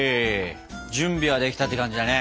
準備はできたって感じだね。